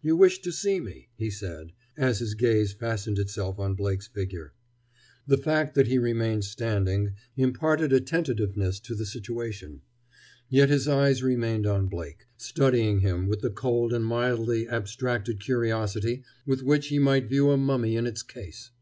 "You wished to see me!" he said, as his gaze fastened itself on Blake's figure. The fact that he remained standing imparted a tentativeness to the situation. Yet his eyes remained on Blake, studying him with the cold and mildly abstracted curiosity with which he might view a mummy in its case.